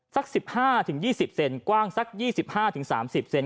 สัก๑๕๒๐เซนกว้างสัก๒๕๓๐เซน